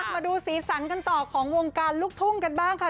มาดูสีสันกันต่อของวงการลูกทุ่งกันบ้างค่ะ